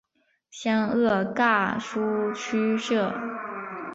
湘鄂赣苏区设。